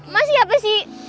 mas siapa sih